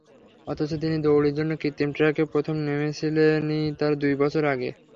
অথচ তিনি দৌড়ের জন্য কৃত্রিম ট্র্যাকে প্রথম নেমেছিলেনই তার দুই বছর আগে।